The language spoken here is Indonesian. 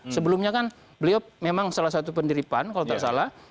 sebelumnya kan beliau memang salah satu pendiri pan kalau tidak salah